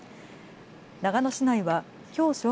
長野市内はきょう正